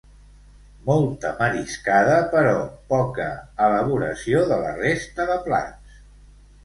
Molta mariscada però poca elaboració de la resta de plats